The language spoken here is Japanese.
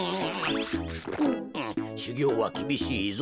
しゅぎょうはきびしいぞ。